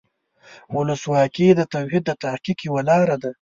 ولسواکي د توحید د تحقق یوه لاره ده.